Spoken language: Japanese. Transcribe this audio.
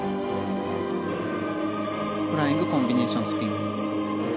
フライングコンビネーションスピン。